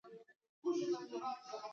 دوی په خپل زیار او کار سره موټرونه جوړوي.